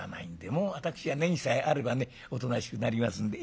もう私はネギさえあればねおとなしくなりますんで。